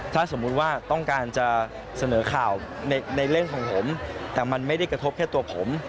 ถ้าสมมุติว่าต้องการจะเสนอข่าวในเรื่องของผมแต่มันไม่ได้กระทบแค่ตัวผม